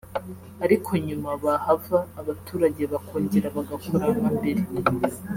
ariko nyuma bahava abaturage bakongera bagakora nka mbere